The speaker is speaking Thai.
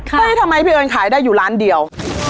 เฮ้ยทำไมขายได้อยู่ร้านเดียว